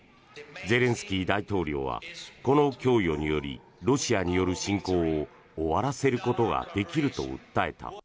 ゼレンスキー大統領はこの供与によりロシアによる侵攻を終わらせることができると訴えた。